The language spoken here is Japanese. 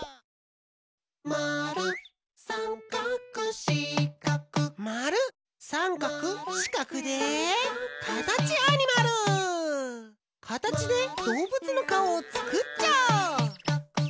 「まるさんかくしかく」まるさんかくしかくでカタチでどうぶつのかおをつくっちゃおう！